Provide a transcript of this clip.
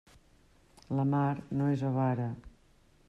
La mar no és avara.